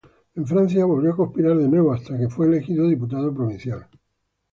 En Francia volvió a conspirar de nuevo, hasta que fue elegido diputado provincial.